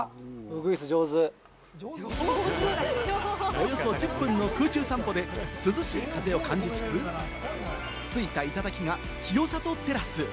およそ１０分の空中散歩で涼しい風を感じつつ、ついた頂が清里テラス。